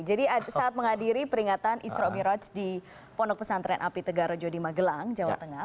jadi saat menghadiri peringatan isro miraj di pondok pesantren api tegara jodima gelang jawa tengah